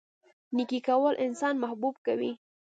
نیکي کول انسان محبوب کوي.